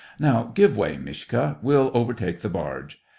"Now, give way, Mishka ! we'll overtake the barge."